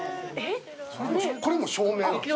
これも照明なんですか？